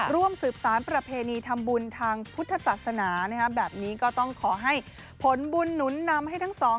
ร่วมสืบสารประเพณีทำบุญทางพุทธศาสนาแบบนี้ก็ต้องขอให้ผลบุญหนุนนำให้ทั้งสอง